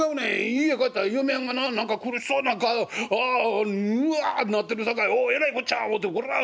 家へ帰ったら嫁はんがな何か苦しそうなうわっなってるさかいおえらいこっちゃ思うてこらあ